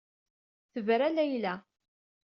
Tebra Layla.